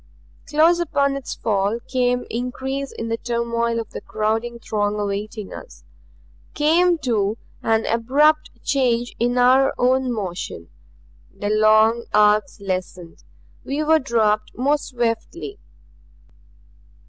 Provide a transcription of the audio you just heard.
Close upon its fall came increase in the turmoil of the crowding throng awaiting us. Came, too, an abrupt change in our own motion. The long arcs lessened. We were dropped more swiftly.